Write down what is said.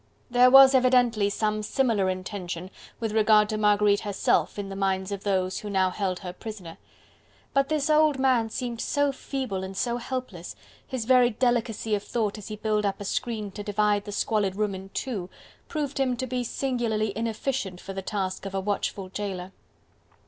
There was evidently some similar intention with regard to Marguerite herself in the minds of those who now held her prisoner. But this old man seemed so feeble and so helpless, his very delicacy of thought as he built up a screen to divide the squalid room in two, proved him to be singularly inefficient for the task of a watchful jailer.